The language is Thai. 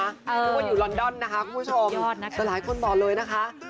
นึกว่าอยู่ลอนดอนนะคะคุณผู้ชมแต่หลายคนบอกเลยนะคะ